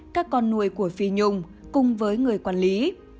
các con nuôi của phi nhung cùng với người quản lý